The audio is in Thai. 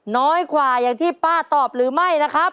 น้อยกว่าอย่างที่ป้าตอบหรือไม่นะครับ